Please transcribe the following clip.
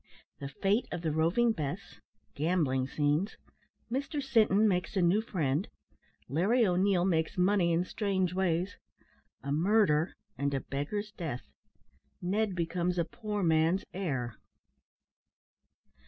THE FATE OF THE ROVING BESS GAMBLING SCENES MR. SINTON MAKES A NEW FRIEND LARRY O'NEIL MAKES MONEY IN STRANGE WAYS A MURDER, AND A BEGGAR'S DEATH NED BECOMES A POOR MAN'S HEIR.